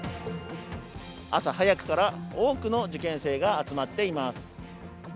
朝早くから多くの受験生が集まっています。